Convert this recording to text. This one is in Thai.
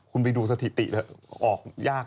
คุณไปดูสถิติเถอะออกยาก